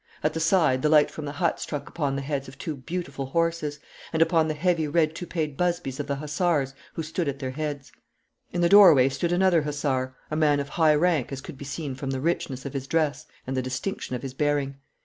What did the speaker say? At the side the light from the hut struck upon the heads of two beautiful horses, and upon the heavy red toupeed busbies of the hussars who stood at their heads. In the doorway stood another hussar a man of high rank, as could be seen from the richness of his dress and the distinction of his bearing.